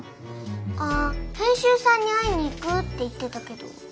ああ編集さんに会いに行くって言ってたけど。